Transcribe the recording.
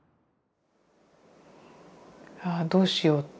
ああどうしようって。